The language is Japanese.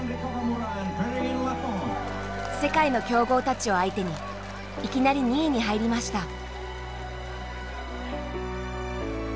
世界の強豪たちを相手にいきなり２位に入りました。